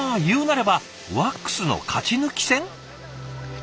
言うなればワックスの勝ち抜き戦？